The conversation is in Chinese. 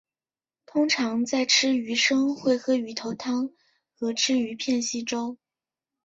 通常在吃鱼生会喝鱼头汤和吃鱼片稀粥。